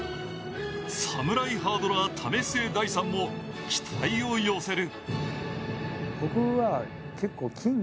侍ハードラー・為末大さんも期待を寄せる。